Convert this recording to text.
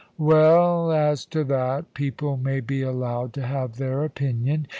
"Well, as to that, people may be allowed to have their opinion.